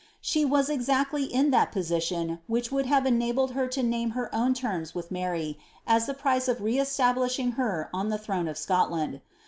She Has exactly in that position which would have enabled her to name her own terms with Mary, as the price of re establishing her on the tiirone of Scotland.